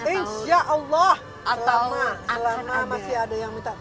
insya allah selama masih ada yang minta